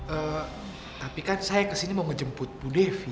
eee tapi kan saya ke sini mau ngejemput bu devi